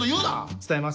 伝えます